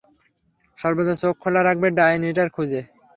সর্বদা চোখ খোলা রাখবে ডাইনি টার খুঁজে।